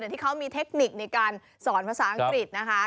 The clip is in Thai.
ที่เขามีเทคนิคในการสอนภาษาอังกฤษนะคะ